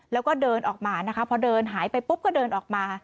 แล้วก็เดินออกมานะคะพอเดินหายไปปุ๊บก็เดินออกมา